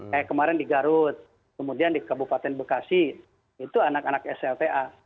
kayak kemarin di garut kemudian di kabupaten bekasi itu anak anak slta